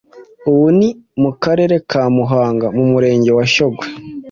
ubu ni mu karere ka Muhanga mu murenge wa Shyogwe).